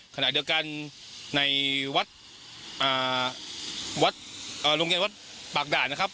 ขณะเดียวกันในวัดโรงเรียนวัดปากด่านนะครับ